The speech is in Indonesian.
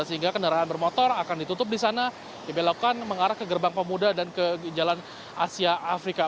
sehingga kendaraan bermotor akan ditutup di sana dibelokkan mengarah ke gerbang pemuda dan ke jalan asia afrika